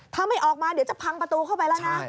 ถ้าไม่ออกมาเดี๋ยวจะพังประตูเข้าไปแล้วนะ